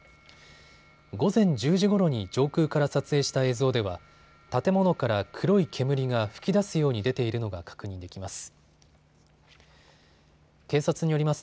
午前１０時ごろに上空から撮影した映像では建物から黒い煙が噴き出すように出ているのが確認できます。